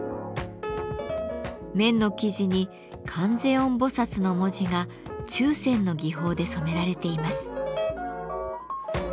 綿の生地に「観世音菩薩」の文字が注染の技法で染められています。